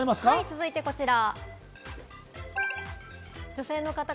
続いてはこちら。